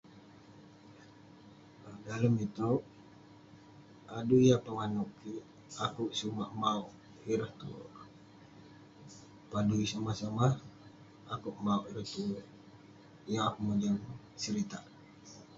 Dalem itouk, adui yah pongah nouk kik, akouk sumak mauk ireh tuwerk. padui somah somah, akouk mauk ireh tuwerk. yeng akouk mojam seritak